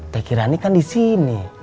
teh kirani kan disini